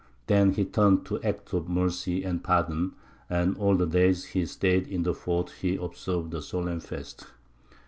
Then he turned to acts of mercy and pardon, and all the days he stayed in the fort he observed a solemn fast.